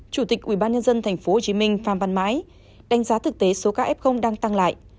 chủ tịch ubnd tp hcm pham văn mãi đánh giá thực tế số ca f đang tăng lại